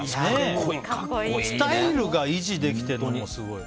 スタイルが維持できてるのもすごい。